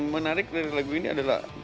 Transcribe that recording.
menarik dari lagu ini adalah